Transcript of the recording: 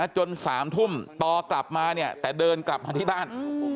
จน๓ทุ่มต่อกลับมาเนี่ยแต่เดินกลับมาที่บ้าน